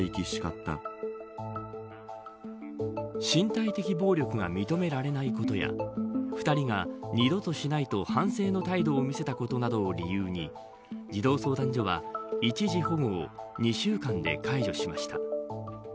身体的暴力が認められないことや２人が二度としないと反省の態度を見せたことなどを理由に児童相談所は、一時保護を２週間で解除しました。